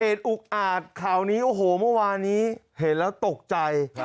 เอดอุ๊คอ่าดเขานี้อันนี้เคยเห็นแล้วตกใจ